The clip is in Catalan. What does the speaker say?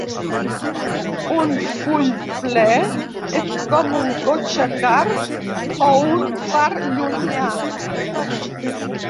Un "full ple" és com un "cotxe car" o un "far llunyà".